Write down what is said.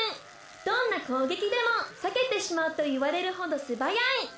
どんな攻撃でも避けてしまうと言われるほどすばやい。